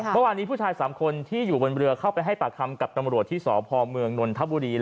เมื่อวานนี้ผู้ชาย๓คนที่อยู่บนเรือเข้าไปให้ปากคำกับตำรวจที่สพเมืองนนทบุรี